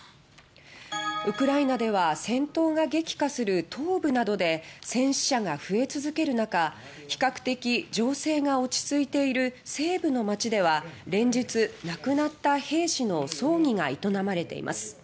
ウクライナでは戦闘が激化する東部などで戦死者が増え続ける中比較的情勢が落ち着いている西部の街では連日亡くなった兵士の葬儀が営まれています。